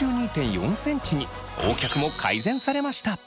Ｏ脚も改善されました！